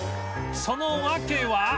その訳は